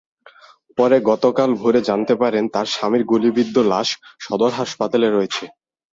পরে গতকাল ভোরে জানতে পারেন তাঁর স্বামীর গুলিবিদ্ধ লাশ সদর হাসপাতালে রয়েছে।